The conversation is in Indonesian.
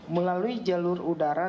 melalui jalur udara